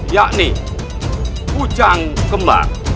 yakni pujang kemar